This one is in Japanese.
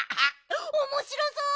おもしろそう。